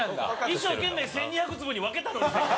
一生懸命１２００粒に分けたのにせっかく。